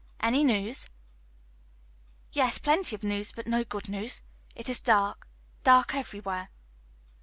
"Any news?" "Yes, plenty of news, but no good news. It is dark, dark everywhere."